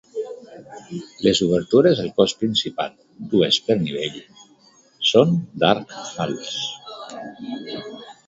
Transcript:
Les obertures del cos principal -dues per nivell- són d'arc fals.